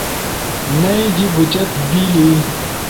نئی جیِب اُوچت بیلی